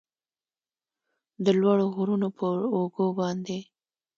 د لوړو غرونو پراوږو باندې